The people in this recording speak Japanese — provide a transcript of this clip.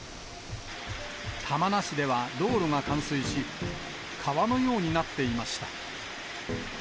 玉名市では道路が冠水し、川のようになっていました。